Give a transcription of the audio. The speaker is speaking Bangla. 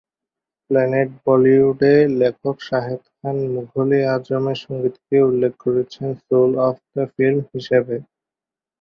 প্ল্যানেট বলিউড-এ, লেখক শাহেদ খান মুঘল-ই-আজম-এর সংগীতকে উল্লেখ করেছেন "সোল অফ দ্য ফিল্ম" হিসেবে।